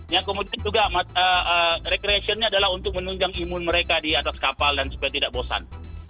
yang kemudian juga recreationnya adalah untuk menunjang imun mereka di atas kapal dan supaya tidak bosan